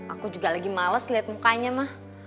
aku juga lagi males liat mukanya ma